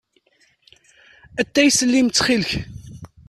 Atay s llim, ttxil-k.